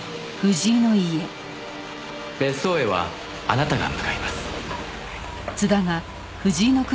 別荘へはあなたが向かいます。